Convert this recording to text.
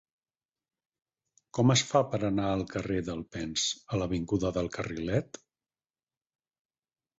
Com es fa per anar del carrer d'Alpens a l'avinguda del Carrilet?